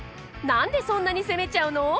何でそんなに攻めちゃうの？